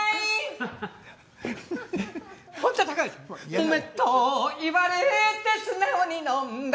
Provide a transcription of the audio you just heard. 「飲めと言われて素直に飲んだ」